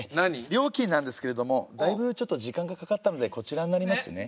料金なんですけれどもだいぶ時間がかかったのでこちらになりますね。